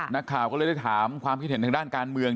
นักข่าวก็เลยได้ถามความคิดเห็นทางด้านการเมือง